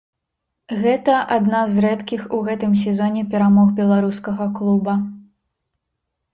Гэта адна з рэдкіх у гэтым сезоне перамог беларускага клуба.